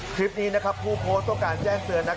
คลิปนี้นะครับผู้โพสต์ต้องการแจ้งเตือนนะครับ